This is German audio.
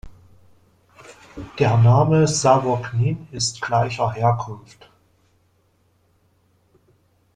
Der Name Savognin ist gleicher Herkunft.